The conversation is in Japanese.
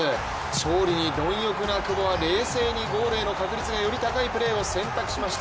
勝利に貪欲な久保は、冷静にゴールへの確率がより高いプレーを選択しました。